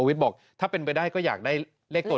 อันนี้จะต้องจับเบอร์เพื่อที่จะแข่งกันแล้วคุณละครับ